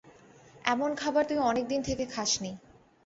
এমন খাবার তুই অনেক দিন থেকে খাসনি।